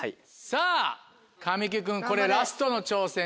さぁ神木君これラストの挑戦です。